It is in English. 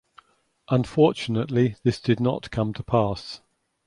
Unfortunately this did not come to pass.